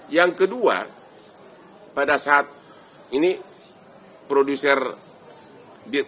yang kedua pada saat ini produser